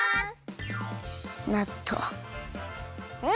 なっとう。